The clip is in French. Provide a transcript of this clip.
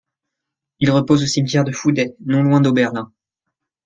Il repose au cimetière de Fouday, non loin d'Oberlin.